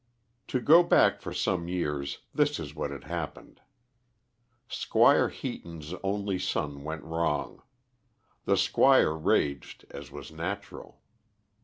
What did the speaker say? To go back for some years, this is what had happened. Squire Heaton's only son went wrong. The Squire raged, as was natural.